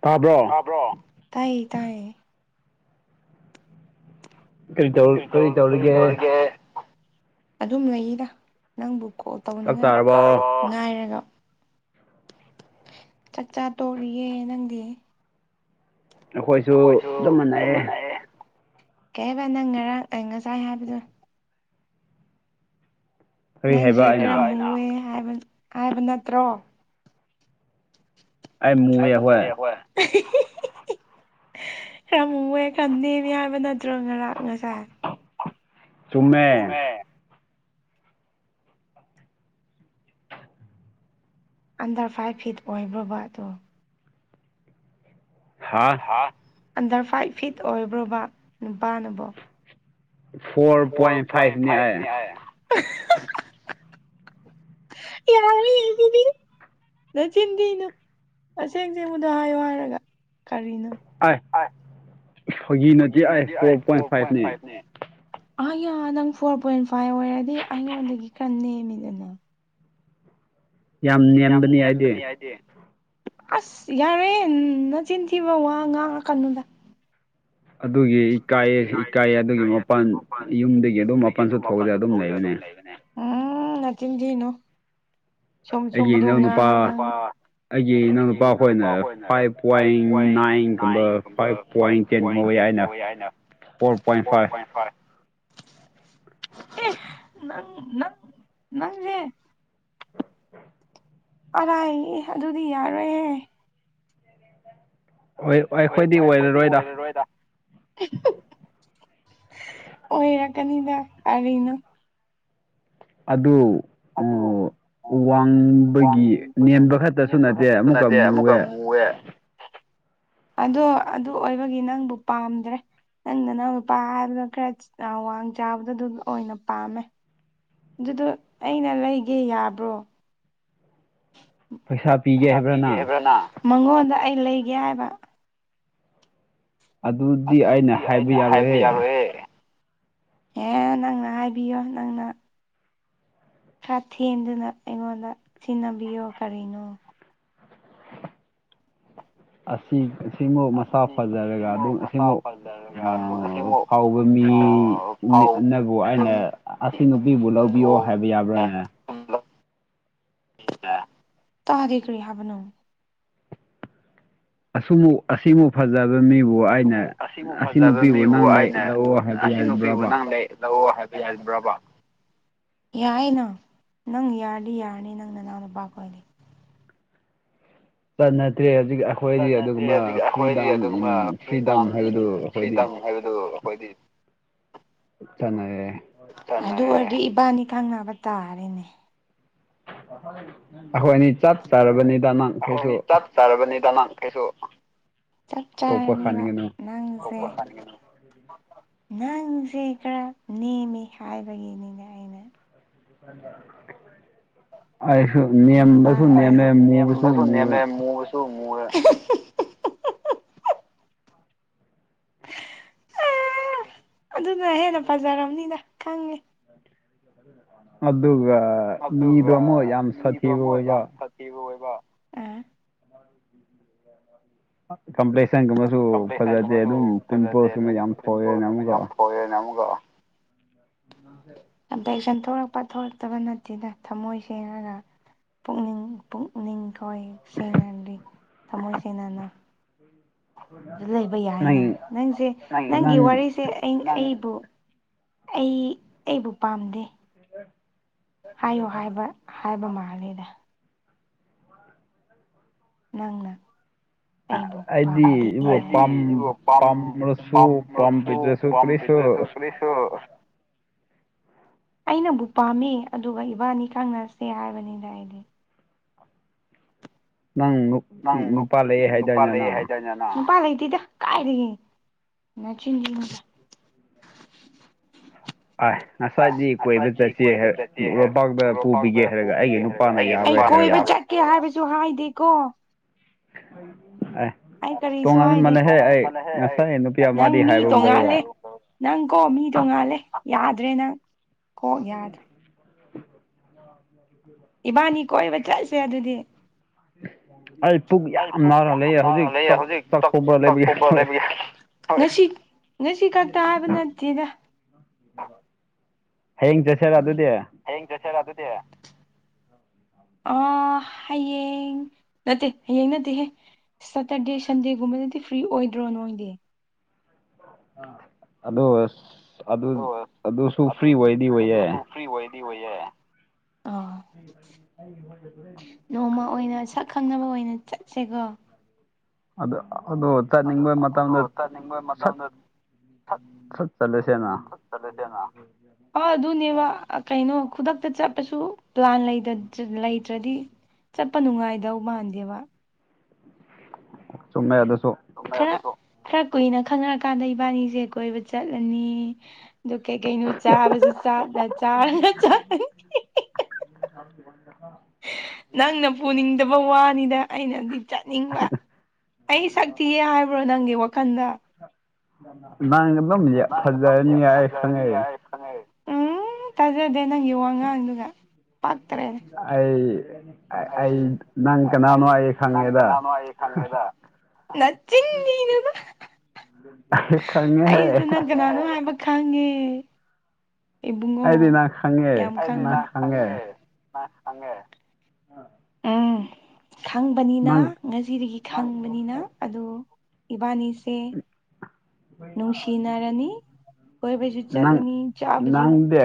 ꯇꯥꯕ꯭ꯔꯣ ꯕꯔꯣ ꯇꯥꯏꯌꯦ ꯇꯥꯏꯌꯦ ꯀꯔꯤꯇꯧ ꯀꯔꯤ ꯇꯧꯔꯤꯒꯦ ꯑꯗꯨꯝ ꯂꯩꯔꯤꯗ ꯅꯪꯕꯨ ꯀꯣꯜ ꯇꯧꯅꯤꯡꯉꯥꯏ ꯆꯥꯛ ꯆꯥꯔꯕ‌ꯣ ꯉꯥꯏꯔꯒ ꯆꯥꯛꯆꯥ ꯇꯣꯛꯂꯤꯌꯦ ꯅꯪꯗꯤ ꯑꯩꯈꯣꯏꯁꯨ ꯆꯞ ꯃꯅꯩꯌꯦ ꯀꯩ ꯍꯥꯕ ꯅꯪ ꯉꯔꯥꯡ ꯑꯩ ꯉꯁꯥꯏ ꯍꯥꯏꯕꯗꯣ ꯀꯔꯤ ꯍꯥꯏꯕ ꯅꯪꯁꯦ ꯀꯩ ꯑꯩꯅ ꯍꯥꯏꯕꯥ ꯑꯩ ꯅꯥ ꯈꯔꯥ ꯃꯨꯋ‌ꯦ ꯍꯥꯏꯕ ꯍꯥꯏꯕ ꯅꯠꯇ꯭ꯔ‌ꯣ ꯑꯩ ꯃꯨꯌꯦ ꯍꯣꯏ ꯈꯔ ꯃꯨꯋꯦ ꯈꯔ ꯅꯝꯃꯦ ꯍꯥꯏꯕ ꯅꯠꯇ꯭ꯔꯣ ꯉꯔꯥꯡ ꯉꯁꯥꯏ ꯆꯨꯝꯃꯦ ꯑꯟꯗꯔ ꯐꯥꯏꯚ ꯐꯤꯠ ꯑꯣꯏꯕ꯭ꯔꯣꯕ ꯑꯗꯨ ꯍꯥꯥ ꯍꯥ ꯑꯟꯗꯔ ꯐꯥꯏꯚ ꯐꯤꯠ ꯑꯣꯏꯕ꯭ꯔꯣꯕ ꯅꯨꯄꯥꯅꯕꯣ ꯐꯣꯔ ꯄꯣꯏꯟ ꯐꯥꯏꯅ‌ꯦ ꯑꯩ ꯌꯥꯔꯦ ꯑꯗꯨꯗꯤ ꯅꯆꯤꯟꯊꯤꯅꯨ ꯑꯁꯦꯡ ꯑꯁꯦꯡꯕꯗꯣ ꯍꯥꯏꯌꯨ ꯍꯥꯏꯔꯒ ꯀꯔꯤꯅꯣ ꯑꯥꯏ ꯏꯁ ꯐꯥꯒꯤ ꯅꯠꯇꯦ ꯑꯥꯏ ꯐꯣꯔ ꯄꯣꯏꯟ ꯐꯥꯏꯚꯅꯦ ꯑꯌꯥ ꯅꯪ ꯐꯣꯔ ꯄꯣꯏꯟ ꯐꯥꯏꯚ ꯑꯣꯏꯔꯗꯤ ꯑꯩꯉꯣꯟꯗꯒꯤ ꯈꯔ ꯅꯦꯝꯃꯤꯅ‌ꯦ ꯅꯪ ꯌꯥꯝ ꯅꯦꯝꯕꯅ‌‌ꯦ ꯑꯩꯗꯤ ꯑꯁ ꯌꯥꯔ‌ꯦ ꯅꯆꯤꯟ ꯊꯤꯕ ꯋꯥ ꯉꯥꯡꯉꯛꯀꯅꯨꯗ ꯑꯗꯨꯒꯤ ꯏꯀꯥꯏꯌꯦ ꯏꯀꯥꯏꯌꯦ ꯑꯗꯨꯒꯤ ꯃꯄꯥꯟ ꯌꯨꯝꯗꯒꯤ ꯑꯗꯨꯝ ꯃꯄꯥꯟꯁꯨ ꯊꯣꯛꯇꯦ ꯑꯗꯨꯝ ꯂꯩꯕꯅꯦ ꯎꯝ ꯅꯆꯤꯟ ꯊꯤꯅꯨ ꯆꯨꯝ ꯑꯩꯒꯤ ꯆꯨꯝꯕꯗꯣ ꯏꯅꯥꯎꯅꯨꯄꯥ ꯉꯥꯡꯉꯣ ꯅꯪ ꯑꯩꯒꯤ ꯏꯅꯥꯎꯅꯨꯄꯥ ꯈꯣꯏꯅ ꯐꯥꯏꯚ ꯄꯣꯏꯟ ꯅꯥꯏꯟꯒꯨꯝꯕ ꯐꯥꯏꯚ ꯄꯣꯏꯟ ꯇꯦꯟ ꯉꯧꯋ‌ꯦ ꯑꯩ ꯅꯥ ꯐꯣꯔ ꯄꯣꯏꯟ ꯐꯥꯏ ꯑꯦ ꯅꯪ ꯅꯪ ꯖ‌ꯦ ꯑꯉꯥꯡꯅꯤ ꯑꯗꯨꯗꯤ ꯌꯥꯔꯣꯏꯍꯦ ꯍ‌‌ꯣꯏ ꯑꯩꯈꯣꯏꯗꯤ ꯑꯣꯏꯔꯔꯣꯏꯗꯥ ꯑꯣꯏꯔꯛꯀꯅꯤꯗ ꯀꯔꯤꯅꯣ ꯑꯗꯨ ꯑꯗꯨ ꯎꯝ ꯋꯥꯡꯕꯒꯤ ꯋꯥꯡꯕꯒꯤ ꯅꯦꯝꯕ ꯈꯛꯇꯁꯨ ꯅꯦꯝꯕ ꯈꯛꯇꯁꯨ ꯅꯠꯇꯦ ꯑꯃꯨꯛꯀ ꯃꯨꯑꯦ ꯃꯨꯔ‌‌ꯦ ꯑꯗꯣ ꯑꯗꯨ ꯑꯣꯏꯕꯒꯤ ꯅꯪꯕꯨ ꯄꯥꯝꯗ꯭ꯔꯦ ꯅꯪ ꯅꯥꯎꯅꯨꯄꯥ ꯍꯥꯏꯕꯗꯣ ꯈꯔ ꯋꯥꯡ ꯆꯥꯕꯗꯣ ꯑꯗꯨ ꯑꯣꯏꯅ ꯄꯥꯝꯃꯦ ꯑꯗꯨꯗꯨ ꯑꯩꯅ ꯂꯩꯒꯦ ꯌꯥꯕ꯭ꯔꯣ ꯄꯩꯁꯥ ꯄꯩꯁ ꯄꯤꯒꯦ ꯍꯥꯏꯕꯔ ꯅꯪ ꯃꯉꯣꯟꯗ ꯑꯩ ꯂꯩꯒꯦ ꯍꯥꯏꯕ ꯑꯗꯨꯗꯤ ꯑꯩꯅ ꯍꯥꯏꯕ ꯌꯥꯔꯣꯏꯑꯦ ꯑꯦ ꯅꯪꯅ ꯍꯥꯏꯕꯤꯌꯣ ꯅꯪꯅ ꯈꯔ ꯊꯦꯝꯗꯨꯅ ꯑꯩꯉꯣꯟꯗ ꯁꯤꯟꯅꯕꯤꯌꯣ ꯀꯔꯤꯅꯣ ꯑꯁꯤ ꯑꯁꯤꯃꯨ ꯃꯁꯥ ꯐꯖꯔꯒ ꯑꯗꯨꯝ ꯑꯁꯤꯃꯨꯛ ꯑꯁꯤꯃꯨ ꯃꯁꯥ ꯐꯖꯔꯒ ꯑꯁꯤꯃꯨꯛ ꯍꯥꯎꯕ ꯃꯤ ꯐꯥꯎ ꯅꯕꯨ ꯑꯩꯅ ꯑꯁꯤ ꯅꯨꯄꯤꯕꯨ ꯂꯧꯕꯤꯌꯣ ꯍꯥꯏꯕ ꯌꯥꯕ꯭ꯔꯥꯅꯦ ꯇꯥꯗꯦ ꯀꯔꯤ ꯍꯥꯏꯕꯅꯣ ꯑꯁꯨꯃꯨ ꯑꯁꯤꯃꯨ ꯐꯖꯕ ꯃꯤꯕꯨ ꯑꯁꯨꯃꯨ ꯑꯩꯅ ꯑꯁꯤꯃꯨ ꯑꯁꯤ ꯐꯖꯕ ꯅꯨꯄꯤꯕꯨ ꯃꯤꯕꯨ ꯅꯪ ꯑꯩꯅ ꯂꯧꯑꯣ ꯍꯥꯏꯕ ꯑꯁꯤ ꯅꯨꯄꯤꯕꯨ ꯌꯥꯕ꯭ꯔꯕ ꯅꯪ ꯂꯩ ꯂꯧꯑꯣ ꯍꯥꯏꯕ ꯌꯥꯏꯕ꯭ꯔꯕ ꯌꯥꯏꯅ ꯅꯪ ꯌꯥꯔꯗꯤ ꯌꯥꯔꯅꯤ ꯅꯪ ꯅꯅꯥꯎ ꯅꯨꯨꯄꯥ ꯑꯣꯏꯗꯤ ꯄ ꯅꯠꯇꯔꯦ ꯍꯧꯖꯤꯛ [unintelligible] [unintelligible] ꯅꯠꯇꯔꯦ ꯑꯗꯨꯒꯨꯝꯕ ꯍꯧꯖꯤꯛ ꯑꯩꯈꯣꯏꯗꯤ ꯐ꯭ꯔꯤꯗꯝ ꯑꯗꯨꯒꯨꯝꯕ ꯏꯟ ꯐ꯭ꯔꯤꯗꯝ ꯐ꯭ꯔꯤꯗꯥꯝꯅꯦ ꯍꯥꯏꯕꯗꯨ ꯑꯩꯈꯣꯏꯗꯤ ꯐ꯭ꯔꯤꯗꯝ ꯍꯥꯏꯕꯗꯨ ꯍꯣꯏꯗꯤ ꯇꯅꯔꯦ [unintelligible] ꯑꯗꯨ ꯑꯣꯏꯔꯗꯤ ꯏꯕꯥꯅꯤ ꯈꯪꯅꯕ ꯇꯥꯔꯦꯅꯦ ꯑꯩꯈꯣꯏ ꯑꯅꯤ ꯆꯞ ꯆꯥꯔꯕꯅꯤꯗ ꯅꯪ ꯀꯩꯁꯨ ꯆꯞ ꯆꯥꯔꯕꯅꯤꯗ ꯅꯪ ꯀꯩꯁꯨ ꯆꯞ ꯑꯇꯣꯞꯄ ꯆꯥꯔꯅꯤꯕ ꯈꯟꯒꯅꯨ ꯅꯪꯁꯦ [unintelligible] ꯅꯪꯁꯦ ꯈꯔ ꯅꯦꯝꯃꯤ ꯍꯥꯏꯕꯒꯤꯅꯤꯅꯦ ꯑꯩꯅ ꯑꯩꯁꯨ ꯅꯦꯝꯕꯁꯨ ꯅꯦꯝꯃꯦ ꯃꯨꯕꯁꯨ ꯅꯪꯁꯨ ꯃꯨꯔꯦ ꯅꯦꯝꯃꯦ ꯃꯨꯕꯁꯨ ꯃꯨꯔꯦ [unintelligible] ꯑꯗꯨꯅ ꯍꯦꯟꯅ ꯐꯖꯔꯝꯅꯤꯗ ꯈꯪꯉꯦ ꯑꯗꯨꯒ ꯃꯤꯗꯣ ꯑꯃꯨꯛ ꯑꯗꯨꯒ ꯌꯥꯝ ꯁꯥꯊꯤꯕ ꯑꯃꯨꯛ ꯑꯣꯏꯕ ꯌꯥꯝ ꯊꯤꯕ ꯑꯣꯏꯕ [inaudible] ꯀꯝꯄꯂꯦꯛꯁꯟꯒꯨꯝꯕꯁꯨ ꯐꯖꯗꯦ ꯑꯗꯨꯒꯨꯝꯕꯁꯨ ꯑꯗꯨꯝ ꯄꯤꯝꯄꯜꯁ ꯀꯨꯝꯕ ꯌꯥꯝ ꯊꯣꯛꯑꯦꯅ ꯑꯃꯨꯛꯀꯣ ꯍꯣꯌꯦꯟ ꯑꯃꯨꯛꯒ ꯀꯝꯄꯂꯦꯛꯁꯟ ꯊꯣꯛꯂꯛꯄ ꯊꯣꯛꯂꯛꯇꯕ ꯅꯠꯇꯦꯗ ꯊꯃꯣꯏ ꯁꯦꯡꯉꯒ ꯄꯨꯛꯅꯤꯡ ꯄꯨꯛꯅꯤꯡꯈꯣꯏ ꯁꯦꯡꯅꯔꯗꯤ ꯊꯃꯣꯏ ꯁꯦꯡꯅꯅ [inaudible] ꯑꯗꯨ ꯂꯩꯕ ꯅꯪ ꯌꯥꯏꯅ ꯅꯪꯁꯦ ꯅꯪꯒꯤ ꯅꯪ ꯋꯥꯔꯤꯁꯦ ꯑꯩꯕꯨ ꯑꯩ ꯑꯩꯕꯨ ꯄꯥꯝꯗꯦ [inaudible] ꯍꯥꯏꯌꯣ ꯍꯥꯏꯕ ꯍꯥꯏꯕ ꯃꯥꯜꯂꯦꯗ ꯅꯪꯅ ꯑꯩꯕꯨ ꯄꯥꯝ ꯑꯩꯗꯤ ꯗꯦ [unintelligible] ꯏꯕꯨ ꯑꯩꯗꯤ ꯄꯥꯝ ꯏꯕꯣ ꯄꯥꯝꯔꯁꯨ ꯄꯥꯝꯔꯁꯨ ꯄꯥꯝꯕꯤꯗ꯭ꯔꯁꯨ ꯀꯔꯤꯁꯨ ꯄꯥꯝꯕꯤꯗꯔꯁꯨ ꯀꯔꯤꯁꯨ [unintelligible] ꯑꯩꯅꯕꯨ ꯄꯥꯝꯃꯤ ꯑꯗꯨꯒ ꯏꯕꯥꯅꯤ ꯈꯪꯅꯁꯦ ꯍꯥꯏꯕꯅꯤꯗ ꯑꯩꯗꯤ ꯅꯪ ꯅꯪ ꯅꯨꯛ ꯅꯨꯄꯥ ꯂꯩꯌꯦ ꯅꯨꯄꯥ ꯍꯥꯏꯗꯥꯏꯅꯦ ꯂꯩꯌꯦ ꯅꯪ ꯍꯥꯏꯗꯥꯏꯅꯦ ꯅ ꯅꯨꯄꯥ ꯂꯩꯇꯦꯗ ꯀꯥꯏꯗꯒꯤ ꯅꯆꯤꯟ [unintelligible] ꯑꯥꯏ ꯉꯁꯥꯏꯗꯤ ꯀꯣꯏꯕ ꯆꯠꯁꯦ [unintelligible] ꯑꯩꯒꯤ ꯂꯣꯛꯄꯥꯛꯇ ꯄꯨꯕꯤꯒꯦ ꯍꯥꯏꯔꯒ ꯑꯩꯒꯤ ꯅꯨꯄꯥꯅ ꯌꯥꯔꯣꯏ ꯍꯥꯏꯔꯒ ꯀꯦ ꯍꯥꯏꯕꯁꯨ ꯍꯥꯏꯗꯦꯀꯣ ꯑꯦ ꯑꯩ ꯀꯔꯤꯁꯨ ꯍꯥꯏꯗꯦ ꯇꯣꯉꯥꯟꯃꯜꯂꯦꯍꯦ ꯑꯩ ꯉꯁꯥꯏ ꯅꯨꯄꯤ ꯅꯪ ꯑꯃꯗꯤ ꯃꯤ ꯍꯥꯏꯕꯒꯨꯝ ꯇꯧꯔꯒ ꯇꯣꯉꯥꯂꯦ ꯅꯪ ꯀꯣ ꯃꯤꯗꯣꯉꯥꯜꯂꯦ ꯌꯥꯗ꯭ꯔꯦ ꯅꯪ ꯀꯣꯛ ꯌꯥꯗ꯭ꯔꯦ ꯏꯕꯥꯅꯤ ꯀꯣꯏꯕ ꯆꯠꯁꯦ ꯑꯗꯨꯗꯤ ꯑꯩ ꯄꯨꯛ ꯑꯩ ꯌꯥꯝ ꯄꯨꯛ ꯅꯥꯔ ꯌꯥꯝ ꯂꯩꯌꯦ ꯅꯥꯔ ꯍꯧꯖꯤꯛ ꯂꯩ ꯆꯥꯛ ꯍꯧꯖꯤꯛ ꯆꯥꯛ ꯊꯣꯡꯕ ꯆꯥꯛ ꯂꯩꯕꯒꯤ ꯇꯣꯛꯑ ꯂꯣꯏꯔꯦ ꯂꯩꯕꯒꯤ ꯉꯁꯤ ꯉꯁꯤ ꯈꯛꯇ ꯍꯥꯏꯕ ꯅꯠꯇꯦꯗ ꯍꯌꯦꯡ ꯆꯠꯁꯦꯔ ꯑꯗꯨꯗꯤ ꯍꯌꯦꯡ ꯆꯁꯦꯔ ꯑꯗꯨꯗꯤ ꯑ ꯍꯌꯦꯡ ꯅꯠꯇꯦ ꯍꯌꯦꯡ ꯅꯠꯇꯦꯍꯦ ꯁꯇꯔꯗꯦ ꯁꯟꯗꯦꯒꯨꯝꯕꯅꯗꯤ ꯐ꯭ꯔꯤ ꯑꯣꯏꯗꯔꯣ ꯅꯣꯏꯗꯤ ꯑꯗꯨ ꯑꯁ ꯑꯗꯨ ꯑꯗꯣ ꯑꯗꯨꯁꯨ ꯐ꯭ꯔꯤ ꯑꯣꯏꯗꯤ ꯑꯣꯏꯌꯦ ꯐ꯭ꯔꯤ ꯑꯣꯏꯗꯤ ꯑꯣꯏꯌꯦ꯫ ꯑ ꯅꯣꯡꯃ ꯑꯣꯏꯅ ꯁꯛ ꯈꯪꯅꯕ ꯑꯣꯏꯅ ꯆꯠꯁꯦꯀꯣ꯫ ꯑꯗ ꯑꯗꯣ [unintelligible] ꯆꯠꯅꯤꯡꯕ ꯑꯗꯣ ꯃꯇꯝꯗ ꯆꯠꯅꯤꯡꯕ ꯁꯠ ꯁꯠ ꯃꯇꯝꯗ ꯆꯠꯂꯁꯦꯅ꯫ [unintelligible] ꯍꯣꯏ ꯑꯗꯨꯅꯦꯕ ꯀꯩꯅꯣ ꯈꯨꯗꯛꯇ ꯆꯠꯂꯁꯨ ꯄ꯭ꯂꯥꯟ ꯂꯩꯇ ꯂꯩꯇ꯭ꯔꯗꯤ ꯆꯠꯄ ꯅꯨꯡꯉꯥꯏꯗꯧ ꯃꯥꯟꯗꯦꯕ꯫ ꯆꯨꯝꯃꯦ ꯑꯗꯨꯁꯨ꯫ [unintelligible] ꯈꯔ ꯈꯔ ꯀꯨꯏꯅ ꯈꯪꯅꯔ ꯀꯥꯟꯗ ꯏꯕꯥꯅꯤꯁꯦ ꯀꯣꯏꯕ ꯆꯠꯂꯅꯤ꯫ ꯗꯨ ꯀꯩ ꯀꯩꯅ ꯆꯥꯕꯁꯨ ꯆꯥ ꯆꯥ ꯆ [unintelligible] [unintelligible] ꯍ ꯅꯪꯅ ꯄꯨꯅꯤꯡꯗꯕ ꯋꯥꯅꯤꯗ ꯑꯩꯅꯗꯤ ꯆꯠꯅꯤꯡꯕ꯫ ꯑꯩ ꯁꯛꯊꯤꯌꯦ ꯍꯥꯏꯕ꯭ꯔꯣ ꯅꯪꯒꯤ ꯋꯥꯈꯟꯗ꯫ ꯅꯪ ꯑꯗꯨꯝ ꯌꯥ ꯐꯖꯔꯅꯤ ꯌꯥꯔꯦ ꯈꯪꯉꯦ꯫ [unintelligible] ꯑꯗꯨꯗꯤ ꯅꯪꯒꯤ ꯋꯥꯉꯥꯡꯗꯨꯒ ꯄꯥꯛꯇꯔꯦ꯫ ꯑꯩ ꯑꯩ ꯅꯪ ꯀꯅꯥꯅꯣ ꯑꯩ ꯅꯪ ꯈꯪꯉꯦꯗ ꯀꯅꯥꯅꯣ ꯑꯩ ꯑꯍꯥ ꯍꯥ ꯈꯪꯉꯦꯗ ꯅꯆꯤꯟ ꯗꯤꯅꯨꯗ ꯑꯩ ꯈꯪꯉꯦ ꯍꯦ [unintelligible] ꯅꯪ ꯀꯅꯥꯅꯣ ꯍꯥꯏꯕ ꯈꯪꯉꯦ ꯏꯕꯨꯡꯉꯣ ꯑꯩꯗꯤ ꯅꯪ ꯈꯪꯉꯦ [unintelligible] ꯌꯥꯝ ꯅꯪ ꯈꯪꯉꯦ ꯑ [inaudible] ꯎꯝ ꯈꯪꯕꯅꯤꯅ ꯉꯁꯤꯗꯒꯤ ꯈꯪꯕꯅꯤꯅ ꯑꯗꯣ ꯏꯕꯥꯅꯤꯁꯦ ꯅꯨꯡꯁꯤꯅꯥꯔꯅꯤ ꯅꯪ ꯅꯪꯗꯦ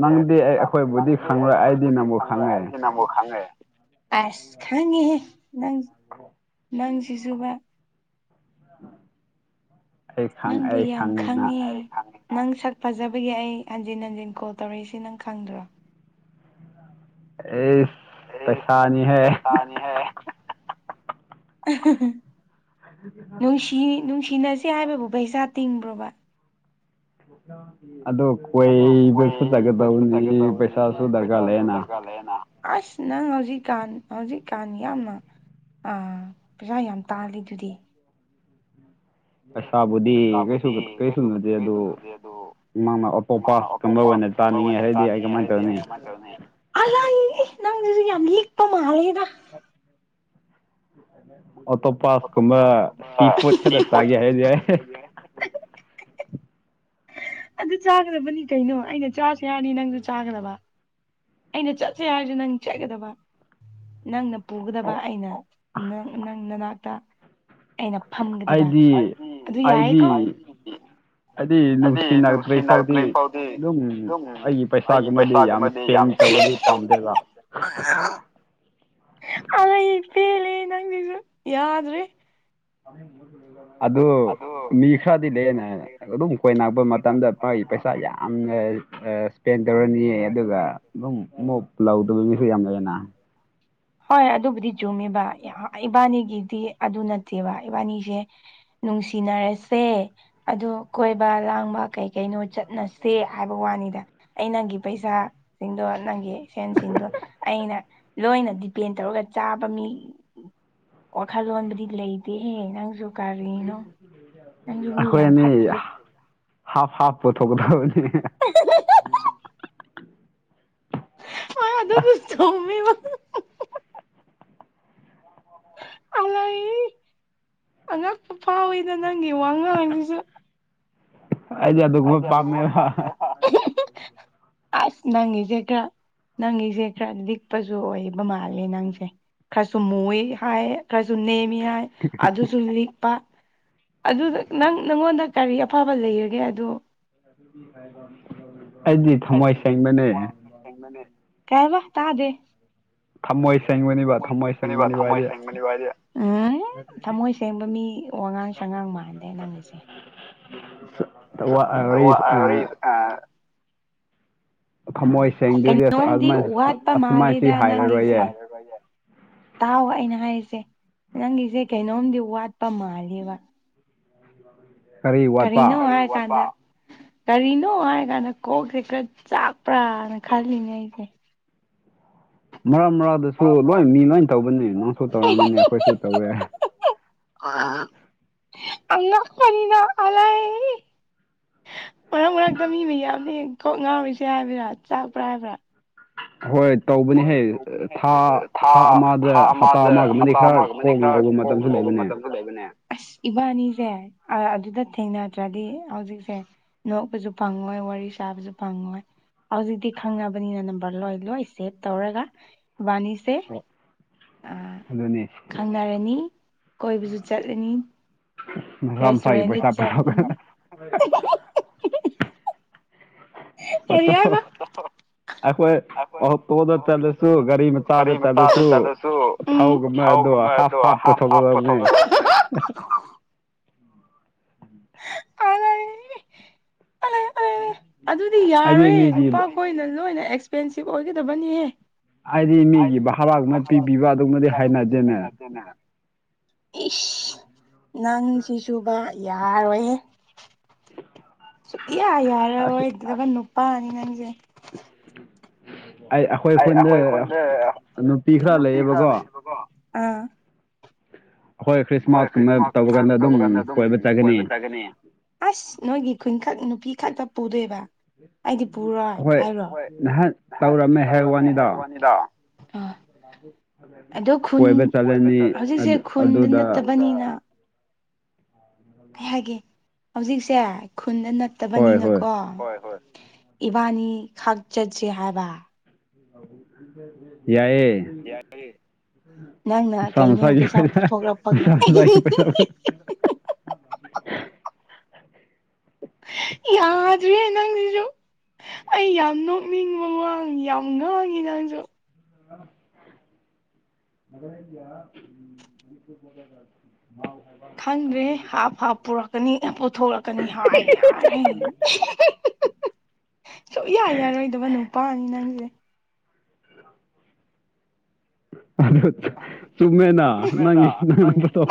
ꯅꯪꯗꯤ ꯑꯩ ꯑꯈꯣꯏꯕꯨꯗꯤ ꯈꯪꯂꯣꯏ ꯑꯩꯗꯤ ꯅꯪꯕꯨ ꯈꯪꯉꯦ꯫ ꯑꯩꯗꯤ ꯅꯪꯕꯨ ꯈꯪꯉꯦ꯫ ꯑꯁ ꯈꯪꯉꯦꯍꯦ ꯅꯪ ꯅꯪꯁꯤꯁꯨꯕ꯫ ꯑꯩ ꯈꯪ ꯅꯪꯕꯨ ꯑꯩ ꯌꯥꯝ [unintelligible] ꯈꯪꯉꯤꯅ ꯈꯪꯉꯦ꯫ ꯅꯪ ꯁꯛ ꯐꯖꯕꯒꯤ ꯑꯩ ꯍꯟꯖꯤꯟ ꯍꯟꯖꯤꯟ ꯀꯣꯜ ꯇꯧꯔꯛꯏꯁꯤ ꯅꯪ ꯈꯪꯗ꯭ꯔꯣ꯫ ꯑꯩꯁ ꯄꯩꯁꯥꯅꯤꯍꯦ꯫ ꯇꯥꯅꯤ ꯍꯦ [unintelligible] ꯅꯨꯡꯁꯤ ꯅꯨꯡꯁꯤꯅꯁꯦ ꯍꯥꯏꯕꯕꯨ ꯄꯩꯁꯥ ꯇꯤꯡꯕ꯭ꯔꯣꯕ꯫ [unintelligible] ꯑꯗꯣ ꯑꯗꯣ ꯀꯣꯏꯕꯁꯨ ꯀꯣꯏꯕꯁꯨ ꯆꯠꯀꯗꯧꯕꯅꯤ ꯆꯠꯒꯗꯕꯅꯤ ꯄꯩꯁꯥꯁꯨ ꯗꯔꯀꯥꯔ ꯄꯩꯁꯥꯁꯨ ꯂꯩꯌꯦꯅ ꯗꯔꯀꯥꯔ ꯂꯩꯌꯦꯅ꯫ ꯑꯩꯁ ꯅꯪ ꯍꯧꯖꯤꯛꯀꯥꯟ ꯍꯧꯖꯤꯛꯀꯥꯟ ꯌꯥꯝꯅ ꯑꯥꯝ ꯄꯩꯁꯥ ꯌꯥꯝ ꯇꯥꯜꯂꯤ ꯗꯨꯗꯤ꯫ ꯄꯩꯁꯥꯕꯨꯗꯤ ꯀꯩꯁꯨ ꯀꯩꯁꯨ ꯅꯠꯇꯦ ꯑꯗꯨ ꯑꯗꯨ ꯅꯪꯅ ꯑꯣꯇꯣ ꯃꯥꯅ ꯄꯥꯁ ꯀꯨꯝꯗ ꯑꯇꯣꯞꯄ ꯑꯣꯏꯅ ꯀꯝꯕ ꯆꯥꯅꯤꯡꯉꯤ ꯍꯥꯏꯔꯗꯤ ꯑꯩ ꯀꯃꯥꯏ ꯇꯧꯅꯤ꯫ ꯑꯂꯏ ꯏ ꯅꯪ ꯌꯥꯝ ꯂꯤꯛꯄ ꯃꯥꯂꯦꯗ꯫ ꯑꯣꯇꯣꯄꯥꯁ ꯀꯨꯝꯕ ꯁꯤ ꯐꯣꯠ ꯈꯛꯇ ꯆꯥꯒꯦ ꯍꯥꯏꯗꯤ [unintelligible] ꯑꯗꯨ ꯆꯥꯒꯗꯕꯅꯤ ꯀꯩꯅꯣ ꯑꯩꯅ ꯆꯥꯁꯤ ꯍꯥꯌꯔꯗꯤ ꯅꯪꯖꯨ ꯆꯥꯒꯗꯕ꯫ ꯑꯩꯅ ꯆꯠꯁꯦ ꯍꯥꯏꯔꯖꯨ ꯅꯪ ꯆꯠꯒꯗꯕ ꯅꯪꯅ ꯄꯨꯒꯗꯕ ꯑꯩꯅ ꯅꯪ ꯅꯪ ꯅꯅꯥꯛꯇ꯫ ꯑꯩꯅ ꯐꯝꯒꯗꯕ ꯑꯩꯗꯤ ꯑꯗꯨ ꯌꯥꯏꯀꯣ꯫ ꯍꯥꯏꯗꯤ ꯅꯨꯡꯁꯤꯅꯛꯇ꯭ꯔꯤ ꯐꯥꯎꯗꯤ ꯑꯗꯨꯝ ꯑꯩꯒꯤ ꯄꯩꯁꯥꯒꯨꯝꯕꯗꯤ ꯌꯥꯝ ꯏꯁꯄꯦꯟꯅꯦ꯫ ꯇꯧꯕꯗꯤ ꯄꯥꯝꯗꯦꯕ꯫ [unintelligible] ꯑꯥꯏ ꯄꯦꯜꯂꯦ ꯅꯪꯖꯤꯖꯨ ꯌꯥꯗ꯭ꯔꯦ꯫ [unintelligible] ꯑꯗꯨ ꯃꯤ ꯈꯔꯗꯤ ꯂꯩꯌꯦꯅ ꯑꯗꯨꯝ ꯀꯣꯏꯅꯕ ꯃꯇꯝꯗ ꯃꯥꯒꯤ ꯄꯩꯁꯥ ꯌꯥꯝꯅ ꯑꯥ ꯏꯁꯄꯦꯟ ꯇꯧꯔꯅꯤꯌꯦ ꯑꯗꯨꯒ ꯑꯗꯨꯝ ꯃꯨꯞ ꯂꯧꯗꯕ ꯃꯤꯁꯨ ꯌꯥꯝ ꯂꯩꯌꯦꯅ꯫ ꯍꯣꯏ ꯑꯗꯨꯕꯨꯗꯤ ꯆꯨꯝꯃꯤꯕ ꯌꯥ ꯏꯕꯥꯅꯤꯒꯤꯗꯤ ꯑꯗꯨ ꯅꯠꯇꯦꯕ ꯏꯕꯥꯅꯤꯁꯦ ꯅꯨꯡꯁꯤꯅꯔꯁꯦ ꯑꯗꯨ ꯀꯣꯏꯕ ꯂꯥꯡꯕ ꯀꯩ ꯀꯩꯅꯣ ꯆꯠꯅꯁꯦ ꯍꯥꯏꯕ ꯋꯥꯅꯤꯗ ꯑꯩ ꯅꯪꯒꯤ ꯄꯩꯁꯥ ꯁꯤꯡꯗꯣ ꯅꯪꯒꯤ ꯁꯦꯟꯁꯤꯡꯗꯣ ꯑꯩꯅ ꯂꯣꯏꯅ ꯗꯤꯄꯦꯟ ꯇꯧꯔꯒ ꯆꯥꯕ ꯃꯤ ꯋꯥꯈꯜꯂꯣꯟꯕꯨꯗꯤ ꯂꯩꯇꯦꯍꯦ ꯅꯪꯁꯨ ꯀꯔꯤꯅꯣ [unintelligible] ꯅꯪꯁꯨ ꯃꯤ ꯌꯥꯝ ꯐꯠꯇ꯭ꯔꯦ ꯍꯥꯞ ꯍꯥꯞ ꯄꯨꯊꯣꯛꯀꯗꯕꯅꯤ [unintelligible] ꯍꯣꯏ ꯑꯗꯨꯕꯨꯗꯤ ꯆꯨꯝꯃꯦꯕ [unintelligible] ꯑꯉꯛꯄ ꯐꯥꯎꯋꯤꯗ ꯅꯪꯒꯤ ꯋꯥ ꯉꯥꯡꯁꯤꯁꯨ ꯑꯩꯗꯤ ꯑꯗꯨꯒꯨꯝꯕ ꯄꯥꯝꯃꯦꯕ ꯑꯁ ꯅꯪꯒꯤꯖꯤ ꯈꯔ ꯅꯪꯒꯤꯁꯦ ꯈꯔ ꯂꯤꯛꯄꯁꯨ ꯑꯣꯏꯕ ꯃꯥꯜꯂꯦ ꯅꯪꯁꯦ ꯈꯔꯁꯨ ꯃꯨꯏ ꯍꯥꯏ ꯈꯔꯁꯨ ꯅꯦꯝꯃꯤ ꯍꯥꯏ ꯑꯗꯨꯁꯨ ꯂꯤꯛꯄ ꯑꯗꯨ ꯅꯪ ꯅꯪꯉꯣꯟꯗ ꯀꯔꯤ ꯑꯐꯕ ꯂꯩꯔꯒꯦ ꯑꯗꯣ ꯑꯩꯗꯤ ꯊꯝꯃꯣꯏ ꯁꯦꯡꯕꯅꯦ ꯀꯩ ꯍꯥꯏꯕ ꯇꯥꯗꯦ ꯊꯝꯃꯣꯏ ꯁꯦꯡ ꯊꯝꯃꯣꯏ ꯁꯦꯡꯕꯅꯤꯕ ꯊꯝꯃꯣꯏ ꯁꯦꯡꯕꯅꯤꯕ ꯍꯥꯏꯗꯤ ꯊꯝꯃꯣꯏ ꯁꯦꯡꯕ ꯃꯤ ꯋꯥꯉꯥꯡ ꯁꯉꯥꯡ ꯃꯥꯟꯗꯦ ꯅꯪꯒꯤꯁꯦ [unintelligible] ꯑꯥ ꯊꯃꯣꯏ ꯁꯦꯡꯗ꯭ꯔꯗꯤ ꯑꯁ ꯀꯩꯅꯣꯝꯗꯤ ꯑꯗꯨꯃꯥꯏꯅ ꯋꯥꯠꯄ ꯑꯁꯨꯃꯥꯏꯁꯤ ꯃꯥꯜꯂꯤꯗ ꯅꯪꯒꯤꯁꯦ ꯍꯥꯏꯔꯔꯣꯏꯌꯦ ꯇꯥꯎ ꯑꯩꯅ ꯍꯥꯏꯔꯤꯁꯦ ꯅꯪꯒꯤꯁꯦ ꯀꯩꯅꯣꯝꯗꯤ ꯋꯥꯠꯄ ꯃꯥꯜꯂꯦꯕ ꯀꯔꯤ ꯀꯔꯤꯅꯣ ꯋꯥꯠꯄ ꯍꯥꯏꯔ ꯀꯥꯟꯅ ꯀꯔꯤꯅꯣ ꯍꯥꯏ ꯀꯥꯟꯗ ꯀꯣꯛꯁꯦ ꯈꯔ ꯆꯥꯛꯄ꯭ꯔꯥꯅ ꯈꯜꯂꯤꯅꯦ ꯑꯩꯗꯤ ꯃꯔꯛ ꯃꯔꯛꯗꯁꯨ ꯂꯣꯏ ꯃꯤ ꯂꯣꯏ ꯇꯧꯕꯅꯦ ꯅꯪꯁꯨ ꯇꯧꯔꯝꯒꯅꯤ ꯑꯩꯈꯣꯏꯁꯨ ꯇꯧꯋꯦ ꯑ [unintelligible] ꯑꯉꯛꯄꯅꯤꯗ ꯑꯂꯥꯏ ꯃꯔꯛ ꯃꯔꯛꯇ ꯃꯤꯅ ꯌꯥꯝꯅꯤ ꯀꯣꯛ ꯉꯥꯎꯔꯤꯁꯦ ꯍꯥꯏꯕꯔꯥ ꯆꯥꯛꯄ꯭ꯔꯥ ꯍꯥꯏꯕ꯭ꯔꯥ ꯍꯣꯏ ꯍꯣꯏ ꯇꯧꯕꯅꯤꯍꯦ ꯇꯧꯕꯅꯤ ꯍꯥꯏ ꯊꯥ ꯊꯥ ꯍꯞꯇꯥ ꯑꯃꯗ ꯑꯃꯒꯨꯝꯕꯗꯤ ꯍꯞꯇꯥ ꯈꯔ ꯑꯃꯒ ꯑꯃꯗꯤ ꯀꯣꯛ ꯈꯔ ꯉꯧꯕ ꯀꯣꯛ ꯃꯇꯝꯁꯨ ꯉꯥꯎꯕ ꯂꯩꯕꯅꯦ ꯃꯇꯝꯁꯨ ꯂꯩꯕꯅꯦ ꯑꯁ ꯏꯕꯥꯅꯤꯁꯦ ꯑꯗꯨꯗ ꯊꯦꯡꯅꯗ꯭ꯔꯗꯤ ꯍꯧꯖꯤꯛꯁꯦ ꯅꯣꯛꯄꯁꯨ ꯐꯪꯉꯣꯏ ꯋꯥꯔꯤ ꯁꯥꯕꯁꯨ ꯐꯪꯉꯣꯏ ꯍꯧꯖꯤꯛꯇꯤ ꯈꯪꯉꯕꯅꯤꯅ ꯅꯝꯕꯔ ꯂꯣꯏ ꯂꯣꯏꯁꯤ ꯁꯦꯚ ꯇꯧꯔꯒ ꯏꯕꯥꯅꯤꯁꯦ [unintelligible] ꯑꯗꯨꯅꯤ ꯈꯪꯅꯔꯅꯤ ꯀꯣꯏꯕꯁꯨ ꯆꯠꯂꯅꯤ ꯃꯁꯥ ꯃꯁꯥꯒꯤ ꯔꯦꯁꯇꯨꯔꯦꯟꯗ ꯄꯩꯁꯥ ꯆꯪ ꯄꯨꯊꯣꯛ ꯀꯔꯤ ꯍꯥꯏꯕ ꯒꯥꯔꯤ ꯃꯆꯥꯗ ꯆꯠꯂꯁꯨ ꯎꯝ ꯊꯥꯎꯒꯨꯝꯕꯗꯣ ꯊꯥꯎꯒꯨꯝꯕ ꯍꯥꯐ ꯑꯗꯣ ꯍꯥꯐ ꯍꯥꯞ ꯍꯥꯞ ꯄꯨꯊꯣꯛꯀꯗꯕꯅꯦ ꯄꯨꯊꯣꯛꯂꯒ ꯑꯗꯨꯗꯤ ꯍꯥꯏꯗꯤ ꯌꯥꯔꯣꯏꯍꯦ ꯃꯤꯒꯤ ꯅꯨꯨꯄꯥꯈꯣꯏꯅ ꯂꯣꯏꯅ ꯑꯦꯛꯁꯄꯦꯟꯁꯤꯞ ꯑꯣꯏꯒꯗꯕꯅꯤꯍꯦ ꯑꯩꯗꯤ ꯃꯤꯒꯤ ꯚꯔꯥꯒꯨꯝꯕ ꯄꯤꯕꯤꯕ ꯑꯗꯨꯒꯨꯝꯕꯗꯤ ꯍꯩꯅꯗꯦꯅꯦ ꯏꯁ ꯅꯪꯁꯤꯁꯨꯕ ꯌꯥꯔꯣꯏꯍꯦ ꯁꯨꯛꯌꯥ ꯑꯁ ꯌꯥꯔꯔꯣꯏꯗꯕ ꯅꯨꯄꯥꯅꯤ ꯅꯪꯁꯦ ꯑꯩ ꯑꯩ ꯑꯩꯈꯣꯏ ꯈꯨꯟꯗ ꯅꯨꯄꯤ ꯈꯔ ꯂꯩꯌꯦꯕꯀꯣ ꯑꯈꯣꯏ ꯑꯈꯣꯏ ꯈ꯭ꯔꯤꯁꯃꯥꯁꯀꯨꯝꯕ ꯇꯧꯕ ꯀꯥꯟꯗ ꯑꯗꯨꯝ ꯀꯣꯏꯕ ꯆꯠꯒꯅꯤ ꯆꯠꯀꯅꯤ ꯑꯁ ꯅꯣꯏꯒꯤ ꯈꯨꯟꯈꯛ ꯅꯨꯄꯤ ꯈꯛꯇ ꯄꯨꯗꯣꯏꯕ ꯑꯩꯗꯤ ꯄꯨꯔꯣꯏ ꯑꯩꯈꯣꯏ ꯍꯥꯏꯔꯣ ꯍꯣꯏ ꯉꯍꯥꯟ ꯇꯧꯔꯝꯃꯦ ꯍꯥꯏ ꯋꯥꯅꯤꯗ ꯑꯗꯣ ꯈꯨꯟ ꯀꯣꯏꯕ ꯆꯠꯂꯅꯤ ꯍꯧꯖꯤꯛꯁꯦ ꯈꯨꯟꯗ ꯑꯗꯨꯗ ꯅꯠꯇꯕꯅꯤꯅ ꯑꯩ ꯍꯥꯏꯒꯦ ꯍꯧꯖꯤꯛꯁꯦ ꯈꯨꯟꯗ ꯅꯠ ꯍꯣꯏ ꯍꯣꯏ ꯇꯕꯅꯤꯅꯀꯣ ꯏꯕꯥꯅꯤ ꯈꯥꯛ ꯆꯠꯁꯦ ꯍꯥꯏꯕ ꯌꯥꯏꯌꯦ ꯅꯪꯅ ꯃꯁꯥ ꯀꯩꯅꯣ ꯃꯁꯥꯒꯤ ꯄꯩꯁꯥ ꯑꯣꯢꯅ ꯄꯨꯊꯣꯛꯂꯛꯄꯒꯤ ꯃꯁꯥ ꯃꯁꯥꯒꯤ ꯄꯩꯁꯥ [unintelligible] ꯅꯪꯖꯤꯖꯨ ꯑꯩ ꯌꯥꯝ ꯅꯣꯛꯅꯤꯡꯕ ꯋꯥꯡ ꯌꯥꯝ ꯉꯥꯡꯉꯤ ꯅꯪꯁꯨ ꯑꯥ [unintelligible] ꯃꯅꯤꯄꯨꯔ ꯕꯣꯗꯔ [unintelligible] ꯈꯪꯗ꯭ꯔꯦ ꯍꯥꯞ ꯍꯥꯞ ꯄꯨꯔꯛꯀꯅꯤ ꯄꯨꯊꯣꯔꯛꯀꯅꯤ ꯍꯥꯏ ꯌꯥꯔꯦ [unintelligible] ꯁꯨꯛꯌꯥ ꯌꯥꯔꯣꯏꯗꯕ ꯅꯨꯄꯥꯅꯤ ꯅꯪꯁꯦ [unintelligible] ꯆꯨꯝꯃꯦꯅ ꯅꯪꯒꯤ ꯅꯪꯅ ꯄꯨꯊꯣ